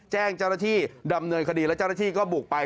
แจ้งเจ้าหน้าที่ดำเนินคดีแล้วเจ้าหน้าที่ก็บุกไป